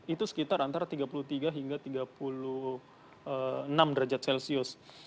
itu sekitar antara tiga puluh tiga hingga tiga puluh enam derajat celcius